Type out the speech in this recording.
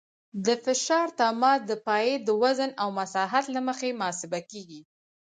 د فشار تماس د پایې د وزن او مساحت له مخې محاسبه کیږي